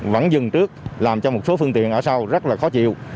vẫn dừng trước làm cho một số phương tiện ở sau rất là khó chịu